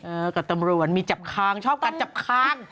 กับตำรวจมีจับคางชอบการจับคาง